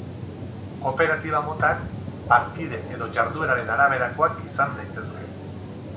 Kooperatiba motak, Bazkide edo Jardueraren araberakoak izan daitezke.